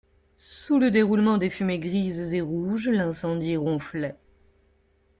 Sous le déroulement des fumées grises et rouges, l'incendie ronflait.